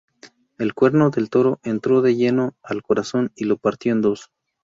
El cuerno del toro entró de lleno al corazón, y lo partió en dos.